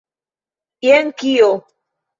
Jen kio!